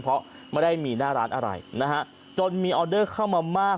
เพราะไม่ได้มีหน้าร้านอะไรนะฮะจนมีออเดอร์เข้ามามาก